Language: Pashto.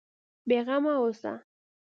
بېغمه اوسه.